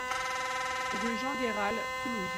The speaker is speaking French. Rue Jean Gayral, Toulouse